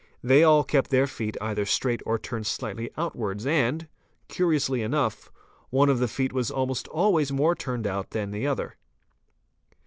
They all kept their feet either straight or turned slightly out wards and, curiously enough, one of the feet was almost always more turned out than the other.